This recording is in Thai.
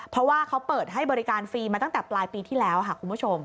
เพราะว่าเขาเปิดให้บริการฟรีมาตั้งแต่ปลายปีที่แล้วค่ะคุณผู้ชม